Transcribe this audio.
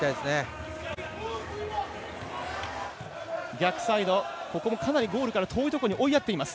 逆サイド、ここもかなりゴールから遠いところに追いやっています。